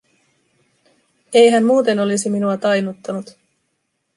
Ei hän muuten olisi minua tainnuttanut.